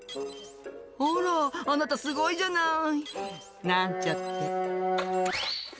「ほらあなたすごいじゃない」「なんちゃって」